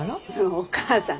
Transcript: お義母さん